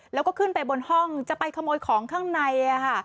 แล้วก็ขึ้นไปบนห้องจะไปขโมยของข้างใน